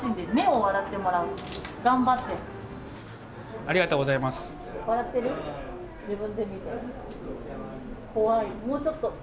もうちょっと。